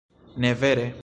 Ne vere?